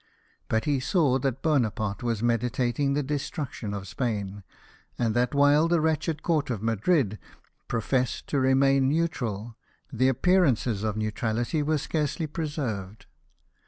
But he saw that Bonaparte was meditating the destruction of Spain ; and that, while the wretched Court of Madrid professed to remain neutral, the appearances of neutrality were scarcely preserved.